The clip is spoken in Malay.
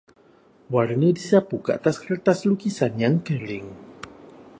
Warna disapu ke atas kertas lukisan yang kering.